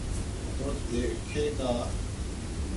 تو دیکھیے گا۔